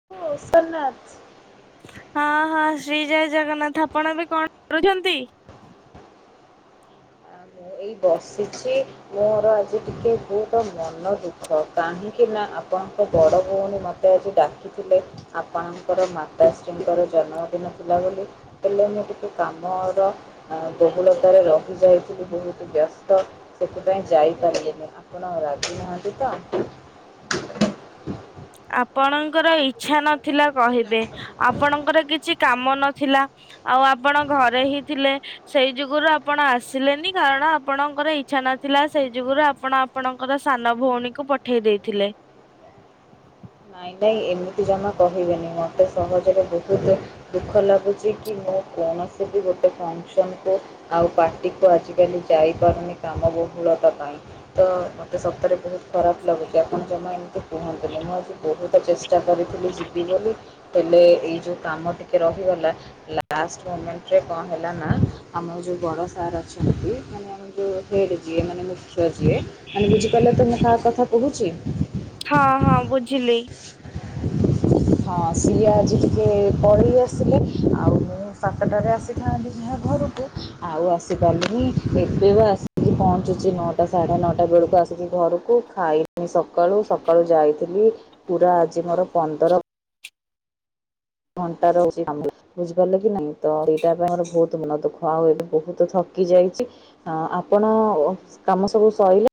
[unintelligible] ହଁ ହଁ ଶ୍ରୀ ଜୟ ଜଗନ୍ନାଥ ଆପଣ ଏବେ କଣ କରୁଛନ୍ତି। ଆଉ ମୁଁ ଏଇ ବସିଛି। ମୋର ଆଜି ଟିକେ ବୋହୁତ ମନ ଦୁଃଖ କାହିଁକି ନା ଆପଣଙ୍କ ବଡ ଭୋଉଣୀ ମ ତେ ଆଜି ଡାକିଥିଲେ ଆପଣଙ୍କର ମାତାଶ୍ରୀଙ୍କର ଜନ୍ମଦିନ ଥିଲା ବୋଲି। ହେଲେ ମୁଁ ଟିକେ କାମର ବହୁଳତାରେ ରହିଯାଇ ଥିଲି ବୋହୁତ ବ୍ୟସ୍ତ ସେଥିପାଇଁ ଯାଇପାରିଲିନି ଆପଣ ରାଗି ନାହାନ୍ତି ତ। ଆପଣଙ୍କର ଇଚ୍ଛା ନଥିଲା କହିବେ ଆପଣଙ୍କର କିଛି କାମ ନଥିଲା। ଆଉ ଆପଣ ଘରେ ହିଁ ଥିଲେ। ସେଇ ଯୁଗୁରୁ ଆପଣ ଆସିଲେନି କାରଣ ଆପଣଙ୍କର ଇଚ୍ଛା ନଥିଲା ସେଇ ଯୁଗୁରୁ ଆପଣ ଆପଣଙ୍କର ସାନ ଭୋଉଣୀକୁ ପଠେଇ ଦେଇଥିଲେ। ନାଇଁ ନାଇଁ ଏମିତି ଜମା କହିବେନି ମତେ ସହଜରେ ବୋହୁତୁ ଦୁଃଖ ଲାଗୁଛି କି ମୁଁ କୌଣସି ବି ଗୋଟେ ଫକ୍ସନ୍ କୁ ଆଉ ପାର୍ଟିକୁ ଆଜିକାଲି ଯାଇପାରୁନି କାମ ବହୁଳତା ପାଇଁ। ତ ମତେ ସତରେ ବୋହୁତ ଖରାପ ଲାଗୁଚି ଆପଣ ଜମା ଏମିତି କୁହନ୍ତୁନି ମୁଁ ଆଜି ବୋହୁତ ଚେଷ୍ଟା କରିଥିଲି ଯିବି ବୋଲି ହେଲେ ଏଇ ଯେଉଁ କାମ ଟିକେ ରହିଗଲା। ଲାଷ୍ଟ ମୋମେଣ୍ଟରେ କଁ ହେଲା ନା ଆମର ଯୋଉ ବଡ ସାର୍ ଅଛନ୍ତି [unintelligible] ଯୋଉ ହେଡ ଯିଏ ମାନେ ମୁଖ୍ୟ ଯିଏ ମାନେ ବୁଝିପାରିଲ ତ ମୁଁ କାହା କଥା କହୁଚି। ହଁ ହଁ ବୁଝିଲି। ହଁ ସିଏ ଆଜି ଟିକେ ପଳେଇ ଆସିଲେ ଆଉ ମୁଁ ସାତଟାରେ ଆସିଥାନ୍ତି ଯାହା ଘରୁକୁ ଆଉ ଆସିପାରିଲିନି ଏବେ ବା ଆସି ପହଞ୍ଚୁଛି ନଅଟା ସାଢ଼ା ନଅଟା ବେଳୁକୁ ଆସିକି ଘରୁକୁ ଖାଇନି ସକାଳୁ ସକାଳୁ ଯାଇଥିଲି। ପୁରା ଆଜି ମୋର ପନ୍ଦର ଘଣ୍ଟା [unintelligible] ବୁଝିପାରିଲେ କି ନାଇଁ ତ ଏଇଟା ପାଇଁ ଆମର ବୋହୁତ ମନ ଦୁଃଖ ଆଉ ଏବେ ବୋହୁତ ଥକି ଯାଇଚି। ଆ ଆପଣ କାମ ସବୁ ସଇଲେ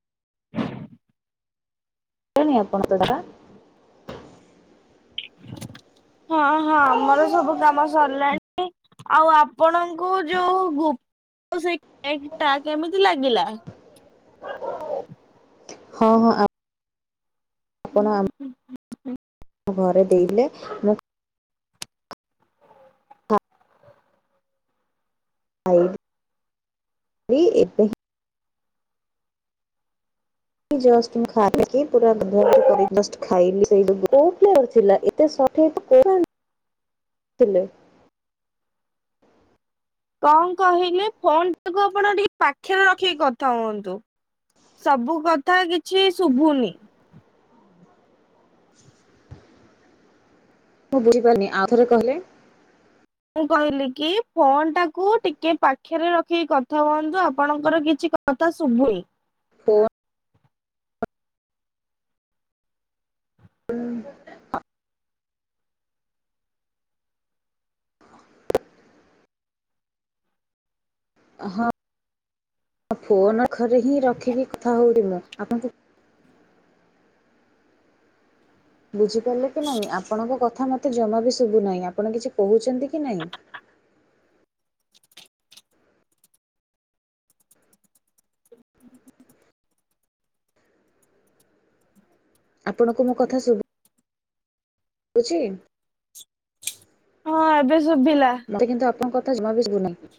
[unintelligible] ହଁ ହଁ ଆମର ସବୁ କାମ ସରିଲାଣି ଆଉ ଆପଣଙ୍କୁ ଯୋଉ ଗୁ୍ [unintelligible] କେମିତି ଲାଗିଲା। ହଁ ହଁ ଆ ଆପଣ ଆମ ଘରେ ଦେଇଲେ ମୁଁ [unintelligible] ଏବେ ଜଷ୍ଟ ମୁଁ ଖାଇକି ପୁରା [unintelligible] ଖାଇଲି [unintelligible] ତେ ସଠିକ୍ [unintelligible] [inaudible] ଥିଲେ। କଁ କହିଲେ ଫୋନ ଟାକୁ ଆପଣ ଟିକେ ପାଖେରେ ରଖିକି କଥା ହୁଅନ୍ତୁ। ସବୁ କଥା କିଛି ଶୁଭୁନି। ମୁଁ ବୁଝିପାରିନି ଆଉ ଥରେ କହିଲେ। ମୁଁ କହିଲି କି ଫୋନ ଟାକୁ ଟିକେ ପାଖେରେ ରଖିକି କଥା ହୁହନ୍ତୁ ଆପଣଙ୍କର କିଛି କ ଥା ଶୁବୁନି। ଫୋନ୍ [unintelligible] ହଁ ଫୋନ ଘରେ ହିଁ ରଖିକି କଥା ହଉଥିଲ। ଆପଣଙ୍କୁ ବୁଝିପାରିଲେ କି ନାଇଁ? ଆପଣଙ୍କ କଥା ମତେ ଜମା ବି ଶୁଭୁନାହିଁ। ଆପଣ କିଛି କହୁଛନ୍ତି କି ନାଇଁ? ଆପଣଙ୍କୁ ମୋ କଥା ଶୁଭୁ ବୁଛି? ହଁ ଏବେ ଶୁଭିଲା। ମତେ କିନ୍ତୁ ଆପଣଙ୍କ କଥା ଜମା ବିି ସୁଭୁନାହିଁ।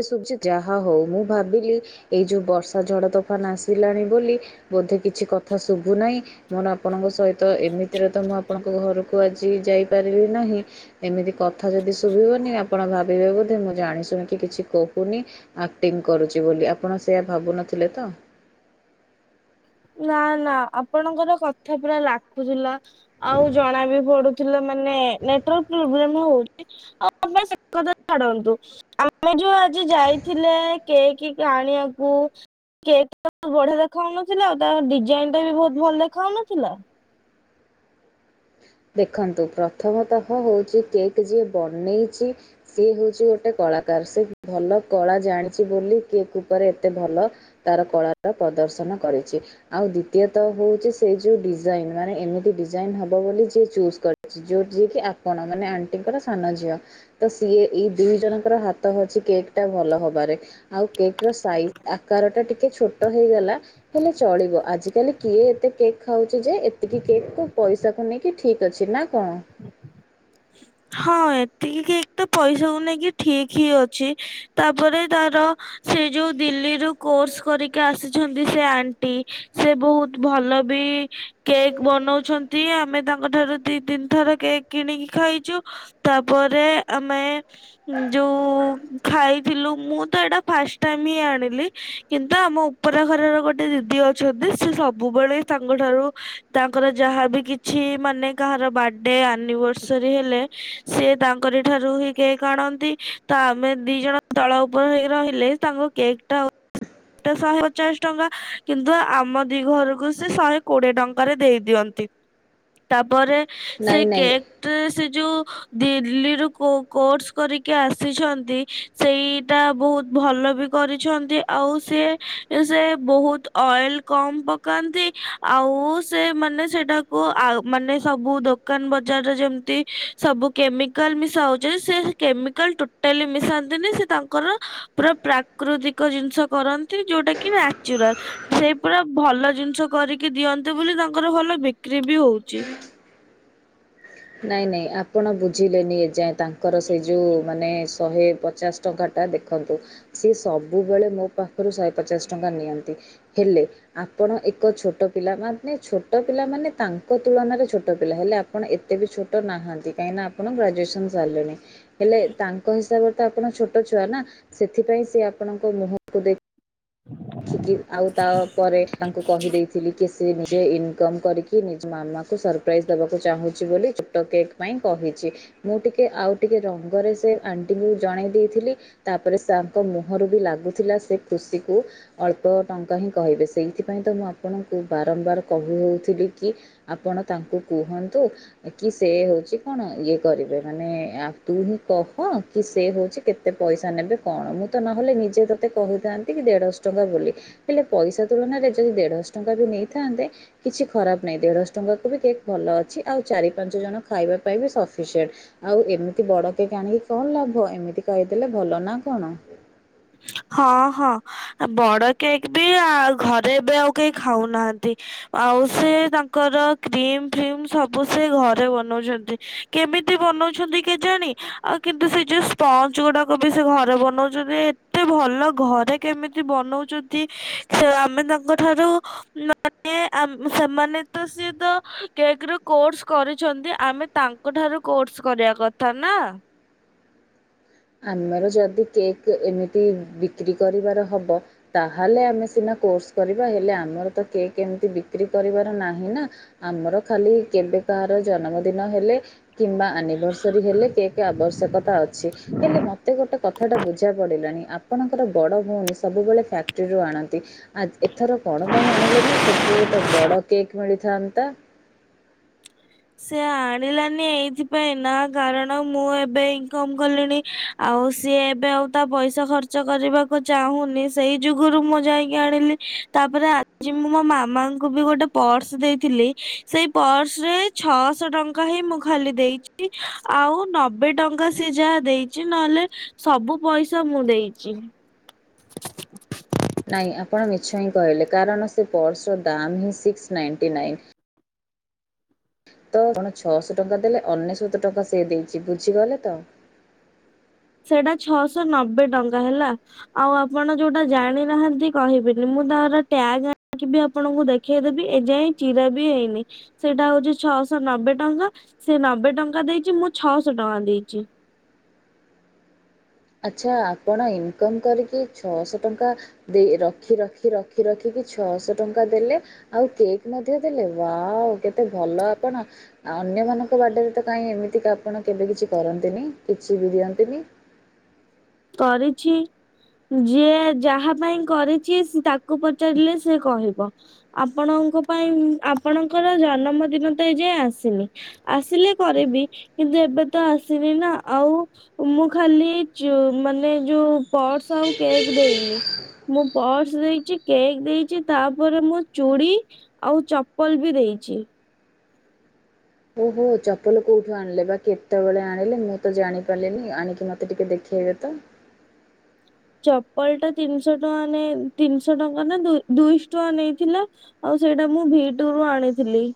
ଏସୁଚି ଯାହା ହଉ ମୁଁ ଭାବିଲି ଏଇ ଯୋଉ ବର୍ଷା ଝଡ ତୋଫାନ ଆସିଲାଣି ବୋଲି ବୋଧେ କିଛି କଥା ଶୁଭୁ ନାହିଁ। ମୋର ଆପଣଙ୍କ ସହିତ, ଏମିତିରେ ତ ମୁଁ ଆପଣଙ୍କ ଘରକୁ ଆଜି ଯାଇପାରିବି ନାହିଁ। ଏମିତି କଥା ଯଦି ଶୁଭିବନି ଆପଣ ଭାବିବେ ବୋଧେ ମୁଁ ଜାଣି ଶୁଣିକି କିଛି କହୁନି। ଆକ୍ଟିଂ କରୁଛି ବୋଲି। ଆପଣ ସେଆ ଭାବୁନଥିଲେ ତ? ନା ନା ଆପଣଙ୍କର କଥା ପୁରା ଲାଖୁଥିଲା। ଆଉ ଜଣା ବିି ପଡୁ ଥିଲା ମାନେ ନେଟୱର୍କ ପ୍ରୋବ୍ଲେମ ହଉଛି। [unintelligible] ସେକଥା ଛାଡନ୍ତୁ। ଆମେ ଯୋଉ ଆଜି ଯାଇଥିଲେ କେକ କି ଆାଣିବାକୁ। କେକ୍ ଟା ବଢିଆ ଦେଖାଯାଉନଥିଲା? ଆଉ ତା ଡିଜାଇନ ଟା ବି ବହୁତ ଭଲ ଦେଖାଯାଉନଥିଲା? ଦେଖନ୍ତୁ ପ୍ରଥମତଃ ହଉଛି କେକ୍ ଯିଏ ବନେଇଛି ସିଏ ହଉଛି ଗୋଟେ କଳାକାର। ସେ ଭଲ କଳା ଜାଣିଛି ବୋଲି କେକ୍ ଉପରେ ଏତେ ଭଲ ତାର କଳାଟା ପ୍ରଦର୍ଶନ କରିଛି। ଆଉ ଦ୍ଵିତୀୟ ତଃ ହଉଛି ସେଇ ଯୋଉ ଡିଜାଇନ। ମାନେ ଏମିତି ଡିଜାଇନ ହବ ବୋଲି ଯେ ଚୁଜ୍ କରିଛି। ଯୋଉ ଜିଏ କି ଆପଣ। ମାନେ ଆଣ୍ଟିଙ୍କର ସାନ ଝିଅ ତ ସିଏ ଏଇ ଦୁଇ ଜଣଙ୍କର ହାତ ଅଛି କେକ୍ ଟା ଭଲ ହବାରେ। ଆଉ କେକ୍ ର ସାଇଜ ଆକାର ଟା ଟିକେ ଛୋଟ ହେଇଗଲା। ହେଲେ ଚଳିବ। ଆଜି କାଲି କିଏ ଏତେ କେକ୍ ଖାଉଛି ଯେ ଏତିକି କେକ୍ କୁ ପଇସାକୁ ନେଇି। କି ଠିକ୍ ଅଛି ନା କଣ? ହଁ ଏତିକି କେକ୍ ତ ପଇସାକୁ ନେଇକି ଠିକ ହିଁ ଅଛି। ତାପରେ ତାର ସେ ଯୋଉ ଦିଲ୍ଲୀରୁ କୋର୍ସ କରିକି ଆସିଛନ୍ତି ସେ ଆଣ୍ଟି ସେ ବହୁତ ଭଲ ବି କେକ୍ ବନଉଛନ୍ତି। ଆମେ ତାଙ୍କ ଠାରୁ ଦି ତିନି ଥର କେକ୍ କିଣିକି ଖାଇଛୁ। ତାପରେ ଆମେ ଯୋଉ ଖାଇଥିଲୁ। ମୁଁ ତ ଏଇଟା ଫାଷ୍ଟ ଟାଇମ ହିଁ ଆଣିଲି କିନ୍ତୁ ଆମ ଉପର ଘରର ଗୋଟେ ଦିଦି ଅଛନ୍ତି ସେ ସବୁବେଳେ ତାଙ୍କ ଠାରୁ ତାଙ୍କର ଯାହାବି କିଛି ମାନେ କାହାର ବାର୍ଥଡେ, ଆନିଭର୍ସରୀ ହେଲେ ସେ ତାଙ୍କରି ଠାରୁ ହିଁ କେକ୍ ଆଣନ୍ତି। ତ ଆମେ ଦି ଜଣ ଦଳ ଉପରେ ହେଇ ରହିଲେ ତାଙ୍କ କେକ୍ ଟା ଟା ଶହେ ପଚାଶ ଟଙ୍କା। କିନ୍ତୁ ଆମ ଦି ଘରକୁ ସେ ଶହେ କୋଡିଏ ଟଙ୍କାରେ ଦେଇ ଦିଅନ୍ତି। ତାପରେ ସେ ନାଇଁ ନାଇଁ କେକ୍ ଟାରେ ସେ ଯୋଉ ଦିଲ୍ଲୀରୁ କୋର୍ସ କରିକି ଆସିଛନ୍ତି, ସେଇଟା ବହୁତ ଭଲ ବି କରିଛନ୍ତି। ଆଉ ସିଏ ସେ ବହୁତ ଅଏଲ କମ ପକାନ୍ତି। ଆଉ ସେ ମାନେ ସେଟା କୁ ଆ ମାନେ ସବୁ ଦୋକାନ ବଜାରରେ ଯେମିତି ସବୁ କେମିକାଲ ମିଶା ହାଉଛି, ସେ କେମିକାଲ ଟୋଟାଲି ମିଶାନ୍ତିନି। ସେ ତାଙ୍କର ପୁରା ପ୍ରାକୃତିକ ଜିନିଷ କରନ୍ତି। ଯୋଉଟା କି ନାଚୁରାଲ। ସେ ପୁରା ଭଲ ଜିନିଷ କରିକି ଦିଅନ୍ତୁ ବୋଲି ତାଙ୍କର ଭଲ ବିକ୍ରି ବି ହଉଛି। ନାଇଁ ନାଇଁ ଆପଣ ବୁଝିଲେନି ଏଯାଏଁ। ତାଙ୍କର ସେଇ ଯୋଉ ମାନେ ଶହେ ପଚାଶ ଟଙ୍କାଟା ଦେଖନ୍ତୁ। ସିଏ ସବୁବେଳେ ମୋ ପାଖରୁ ଶହେ ପଚାଶ ଟଙ୍କା ନିଅନ୍ତି। ହେଲେ ଆପଣ ଏକ ଛୋଟ ପିଲା। ମାନେ ଛୋଟ ପିଲା ମାନେ ତାଙ୍କ ତୁଳନାରେ ଛୋଟ ପିଲା ହେଲେ ଆପଣ ଏ ଏତେ ବି ଛୋଟ ନାହାନ୍ତି କାହିଁକିନା ଆପଣ ଗ୍ରାଜୁଏସନ ସାରିଲେଣି। ହେଲେ ତାଙ୍କ ହିସାବରେ ତ ଆପଣ ଛୋଟ ଛୁଆ ନା ସେଥିପାଇଁ ସେ ଆପଣଙ୍କ ମୁହଁକୁ ଦେଖି ଦେଖିକି ଆଉ ତାଉପରେ ତାଙ୍କୁ କହିଦେଇଥିଲି କି ସେ ନିଜେ ଇନକମ କରିକି କି ନିଜ ମାମାକୁ ସରପ୍ରାଇଜ୍ ଦେବାକୁ ଚାହୁଁଛି ବୋଲି ଛୋଟ କେକ୍ ପାଇଁ କହିଛି। ମୁଁ ଟିକେ ଆଉ ଟିକେ ରଙ୍ଗରେ ସେ ଆଣ୍ଟିଙ୍କୁ ଜଣେଇ ଦେଇଥିଲି। ତାପରେ ତାଙ୍କ ମୁହଁରୁ ବି ଲାଗୁଥିଲା ସେ କୃଷିକୁ ଅଳ୍ପ ଟଙ୍କା ହିଁ କହିବେ ସେଇଥିପାଇଁ ତ ମୁଁ ଆପଣଙ୍କୁ ବାରମ୍ବାର କହୁ ହେଉଥିଲି କି ଆପଣ ତାଙ୍କୁ କୁହନ୍ତୁ। କି ସେ ହଉଛି କଣ ଇଏ କରିବେ ମାନେ ଆ ତୁ ହିଁ କହ କି ସେ ହଉଛି କେତେ ଏତେ ପଇସା ନେବେ କଣ ମୁଁ ତ ନହେଲେ ନିଜେ ତତେ କହିଥାନ୍ତି କି ଦେଢ଼ଶହ ଟଙ୍କା ବୋଲି। ହେଲେ ପଇସା ତୁଳନାରେ ଯଉ ଦେଢଶହ ଟଙ୍କା ବି ନେଇଥାନ୍ତେ କିଛି ଖରାପ ନାଇଁ ଦେଢଶହ ଟଙ୍କା କ ବି କେକ୍ ଭଲ ଅଛି ଆଉ ଚାରି ପାଞ୍ଚ ଜଣ ଖାଇବା ପାଇଁ ବି ସଫିସିଏଣ୍ଟ। ଆଉ ଏମିତି ବଡ କେକ୍ ଆଣିକି କଣ ଲାଭ ଏମିତି କହିଦେଲେ ଭଲ ନା କଣ? ହଁ ହଁ। ଆ ବଡ କେକ୍ ବି ଆ ଘରେ ଏବେ ଆଉ କେହି ଖାଉନାହାନ୍ତି। ଆଉ ସେ ତାଙ୍କର କ୍ରିମ ଫ୍ରିମ ସବୁ ସେ ଘରେ ବନଉଛନ୍ତି। କେମିତି ବନଉଛନ୍ତି କେଜାଣି ଆଉ କିନ୍ତୁ ସେ ଯୋଉ ସ୍ପଞ୍ଚ ଗୁଡାକ ବି ସେ ଘରେ ବନଉଛନ୍ତି। ଏତେ ଭଲ ଘରେ କେମିତି ବନଉଛନ୍ତି ସେ ଆମେ ତାଙ୍କ ଠାରୁ ମାନେ ଆମ୍ ସେମାନେ ତ ସିଏ ତ କେକର କୋର୍ସ କରିଛନ୍ତି ଆମେ ତାଙ୍କ ଙ୍କ ଠାରୁ କୋର୍ସ କରିବା କଥା ନା। ଆମର ଯଦି କେକ୍ ଏମିତି ବିକ୍ରି କରିବାର ହବ ତାହଲେ ଆମେ ସିନା କୋର୍ସ କରିବା ହେଲେ ଆମର ତ କେକ୍ ଏମିତି ବିକ୍ରି କରିବାର ନାହିଁ ନା ଆମର ଖାଲି କେବେ କାହାର ଜନ୍ମଦିନ ହେଲେ କିମ୍ବା ଆନିଭର୍ସରୀ ହେଲେ କେକେ ଆବଶ୍ୟକତା ଅଛି। ହେଲେ ମତେ ଗୋଟେ କଥାଟା ବୁଝା ପଡିଲାଣି ଆପ ଆପଣଙ୍କର ବଡ଼ ଭଉଣୀ ସବୁବେଳେ ଫ୍ୟାକ୍ଟ୍ରିରୁ ଆଣନ୍ତି। ଆ ଏଥର କଣ ପାଇଁ ଆଣିଲେନି ଫ୍ୟାକ୍ଟ୍ରିରେ ତ ବଡ଼ କେକ୍ ମିଳିଥାନ୍ତା। ସେ ଆଣିଲାନି ଏଇଥିପାଇଁ ନା କାରଣ ମୁଁ ଏବେ ଇନକମ କଲିଣି। ଆଉ ସିଏ ଏବେ ଆଉ ତା ପଇସା ଖର୍ଚ୍ଚ କରିବାକୁ ଚାହୁଁନି ସେଇ ଯୁଗରୁ ମୁଁ ଯାଇକି ଆଣିଲି। ତାପରେ ଆଜି ମୁଁ ମୋ ମାମାଙ୍କୁ ବି ଗୋଟେ ପର୍ସ ଦେଇଥିଲି ସେଇ ପର୍ସରେ ଛଅଶହ ଟଙ୍କା ହିଁ ମୁଁ ଖାଲି ଦେଇଛି ଆଉ ନବେ ଟଙ୍କା ସି ଯାହା ଦେଇଛି ନହେଲେ ସବୁ ପଇସା ମୁଁ ଦେଇଛି। [unintelligible] ନାଇଁ ଆପଣ ମି ମିଛ ହିଁ କହିଲେ କାରଣ ସେ ପର୍ସ ର ଦାମ ହିଁ ସିକ୍ସ ନାଇଟି ନାଇନ। ତ ଆପଣ ଛଅଶହ ଟଙ୍କା ଦେଲେ ଅନେଶତ ଟଙ୍କା ସେ ଦେଇଛି ବୁଝିଗଲେ ତ। ସେଇଟା ଛଅଶହ ନବେ ଟଙ୍କା ହେଲା। ଆଉ ଆପଣ ଯୋଉଟା ଜାଣିନାହାଁନ୍ତି କହିବେନି ମୁଁ ତାର ଟ୍ୟାଗ ଆଣିକି ବି ଆପଣଙ୍କୁ ଦେ ଦେଖେଇଦେବି ଏଯାଏ ଚିରା ବି ହେଇନି। ସେଇଟା ହଉଛି ଛଅଶହ ନବେ ଟଙ୍କା ସେ ନବେ ଟଙ୍କା ଦେଇଛି ମୁଁ ଛଅଶହ ଟଙ୍କା ଦେଇଛି। ଆଚ୍ଛା ଆପଣ ଇନକମ୍ କରିକି ଛଅଶହ ଟଙ୍କା ଦେଇ ରଖି ରଖି ରଖି ରଖିକି ଛଅଶହ ଟଙ୍କା ଦେଲେ ଆଉ କେକ୍ ମଧ୍ୟ ଦେଲେ ବାଓ କେତେ ଭଲ ଆପଣ। ଆଉ ଅନ୍ୟମାନଙ୍କ ବାଡେ ରେ ତ କାହିଁ ଏମିତିକା ଆପଣ କେବେ କିଛି କରନ୍ତିନି କିଛି ବି ଦିଅନ୍ତିନି। କରିଛି। ଯିଏ ଯାହା ପାଇଁ କରିଚି ତାକୁ ପଚାରିଲେ ସେ କହିବ। ଆପଣଙ୍କ ପାଇଁ ଆପଣଙ୍କର ଜନମ ଦିନ ତ ଏଁ ଯାଏ ଆସିନି। ଆସିଲେ କରିବି କିନ୍ତୁ ଏବେ ତ ଆସିନି ନା ଆଉ। ମୁଁ ଖାଲି ଯୋଉ ମାନେ ଯୋଉ ପର୍ସ ଆଉ କେକ୍ ଦେଇନି। ମୁଁ ପର୍ସ ଦେଇଚି, କେକ୍ ଦେଇଚି ତାପରେ ମୋ ଚୁଡ଼ି। ଆଉ ଚପଲ ବି ଦେଇଚି। ଓହୋ ଚପଲ କୋଉଠୁ ଆଣିଲେ ବା କେତେବେଳେ ଆଣିଲେ ମୁଁ ତ ଜାଣିପାରିଲିନି ଆଣିକି ମତେ ଟିକେ ଦେଖେଇବେ ତ? ଚପଲ ଟା ତିନିଶ ଟଙ୍କା ନେଇ ତିନିଶ ଟଙ୍କା ନା ଦୁଇ ଦୁଇଶ ଟଙ୍କା ନେଇଥିଲା। ଆଉ ସେଇଟା ମୁଁ ଭି ଟୁ ରୁୁ ଆଣିଥିଲି।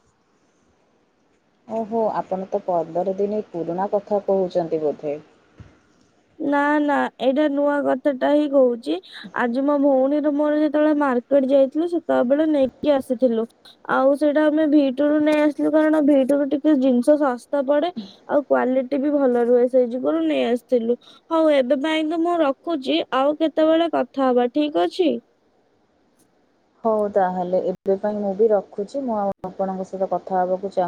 ଓହୋ ଆପଣ ତ ପନ୍ଦର ଦିନ ପୁରୁଣା କଥା କହୁଚନ୍ତି ବୋଧେ। ନା ନା ଏଇଟା ନୂଆ କଥା ଟା ହିଁ କହୁଚି। ଆଜି ମୋ ଭଉଣୀର ମୋର ଯେତେବେଳେ ମାର୍କେଟ ଯାଇଥିଲୁ ସେତେବେଳେ ନେଇକି ଆସିଥିଲୁ। ଆଉ ସେଇଟା ଆମେ ଭି ଟୁ ରୁୁ ନେଇ ଆସିଥିଲୁ କଣ ନା ଭି ଟୁ ରୁ ଟିକେ ଜିନିଷ ଶସ୍ତା ପଡେ। ଆଉ କ୍ୱାଲିଟି ବି ଭଲ ରୁହେ ସେଇ ଯୁଗରୁ ନେଇ ଆସି ଥିଲୁ ହଉ ଏବେ ପାଇଁ ତ ମୁଁ ରଖୁଚି ଆଉ କେତେବେଳେ କଥା ହବା ଠିକ ଅଛି। ହଉ ତାହେଲେ ଏବେ ପାଇଁ ମୁଁ ବି ରଖୁଚି ମୁଁ ଆଉ ଆପଣଙ୍କ ସହିତ କଥା ହବାକୁ ଚାହୁଁ